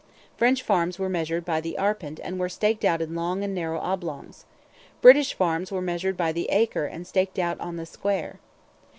French farms were measured by the arpent and were staked out in long and narrow oblongs. British farms were measured by the acre and staked out 'on the square.'